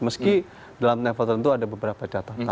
meski dalam level tertentu ada beberapa catatan